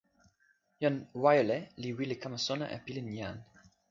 jan Wajole li wile kama sona e pilin jan.